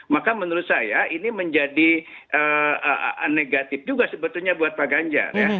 maka menurut saya ini menjadi negatif juga sebetulnya buat pak ganjar ya